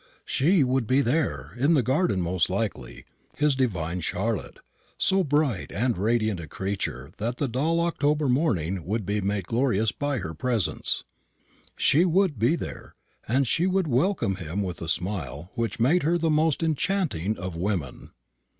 She would be there, in the garden most likely, his divine Charlotte, so bright and radiant a creature that the dull October morning would be made glorious by her presence she would be there, and she would welcome him with that smile which made her the most enchanting of women.